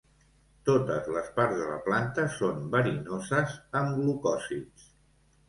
Totes les parts de la planta són verinoses amb glucòsids.